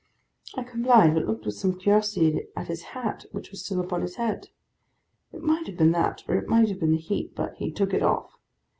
I complied, but looked with some curiosity at his hat, which was still upon his head. It might have been that, or it might have been the heat—but he took it off.